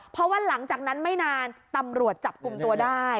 เพราะว่าหลังจากนั้นไม่นานตำรวจจับกลุ่มตัวได้